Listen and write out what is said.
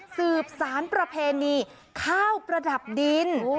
สืบสารประเพณีข้าวประดับดิน